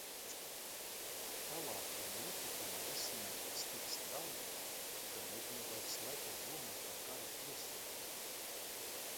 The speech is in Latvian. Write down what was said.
Tālākie notikumi risinājās tik strauji, ka nebija vairs laika domāt par kara tiesu.